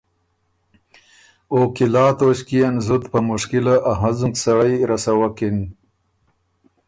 او قلعه توݭکيې ن زُت په مشکله ا هنزُک سړئ رسوکِن۔